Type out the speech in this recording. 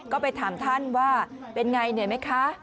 ก็ไปถามท่านว่าเป็นไงเหนื่อยไหมคะ